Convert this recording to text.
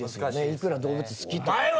いくら動物好きとは。